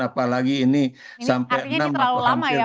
apalagi ini sampai enam atau hampir